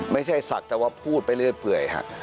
ไม่ใช่ศักดิ์แต่ว่าพูดไปเรื่อยเปื่อยฮะ